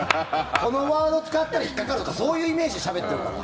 このワードを使ったら引っかかるとかそういうイメージでしゃべっているから。